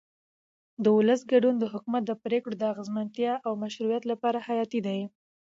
د ولس ګډون د حکومت د پرېکړو د اغیزمنتیا او مشروعیت لپاره حیاتي دی